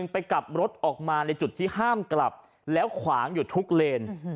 ไปกลับรถออกมาในจุดที่ห้ามกลับแล้วขวางอยู่ทุกเลน